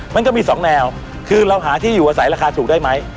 มันก็มีสองแนวคือเราหาที่อยู่อาศัยราคาถูกได้ไหม